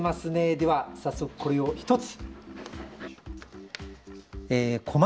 では早速これを１つ。